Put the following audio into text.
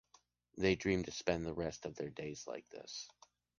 They dream to spend the rest of their days like this.